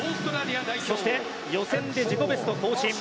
そして予選で自己ベスト更新。